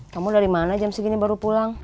kamu dari mana jam segini baru pulang